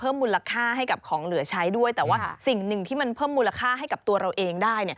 อย่างหนึ่งที่มันเพิ่มมูลค่าให้กับตัวเราเองได้